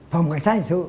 phòng cảnh sát hình sự